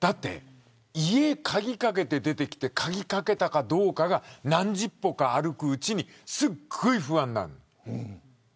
家に鍵をかけて出てきて鍵をかけたかどうかが何十歩、歩くうちにすごく不安になる。